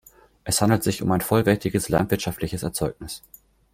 Es handelt sich um ein vollwertiges landwirtschaftliches Erzeugnis.